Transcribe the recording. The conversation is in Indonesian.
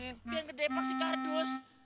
yang gede banget si kardus